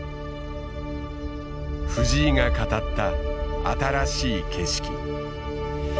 藤井が語った新しい景色。